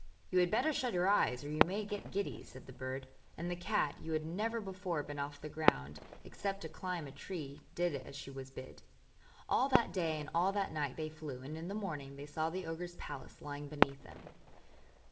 'You had better shut your eyes or you may get giddy,' said the bird; and the cat, you had never before been off the ground except to climb a tree, did as she was bid. All that day and all that night they flew, and in the morning they saw the ogre's palace lying beneath them.